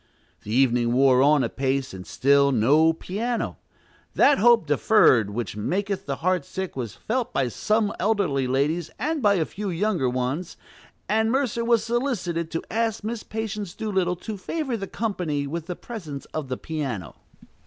The evening wore on apace, and still no piano. That hope deferred which maketh the heart sick was felt by some elderly ladies and by a few younger ones; and Mercer was solicited to ask Miss Patience Doolittle to favor the company with the presence of the piano.